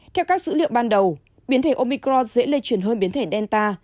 theo các dữ liệu ban đầu biến thể omicron dễ lây truyền hơn biến thể delta